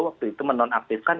waktu itu menonaktifkan